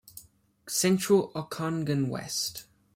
"Central Okanagan West"